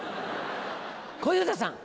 小遊三さん。